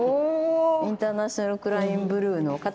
インターナショナル・クライン・ブルーの塊。